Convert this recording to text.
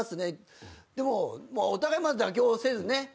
お互い妥協せずね